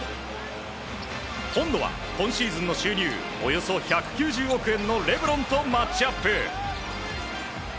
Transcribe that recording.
今度は、今シーズンの収入およそ１９０億円のレブロンとマッチアップ。